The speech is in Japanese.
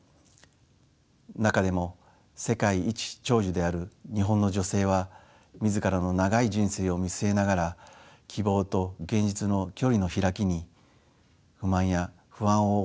中でも世界一長寿である日本の女性は自らの長い人生を見据えながら希望と現実の距離の開きに不満や不安を覚えているのかもしれません。